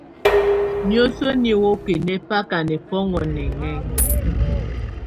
Niǝ́suǝ́ nihoki nɛ́ baka nɛbɔ́ŋɔ nɛŋɛŋá.